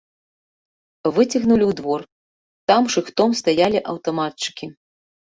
Выцягнулі ў двор, там шыхтом стаялі аўтаматчыкі.